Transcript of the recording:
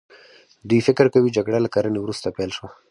دوی فکر کوي جګړه له کرنې وروسته پیل شوه.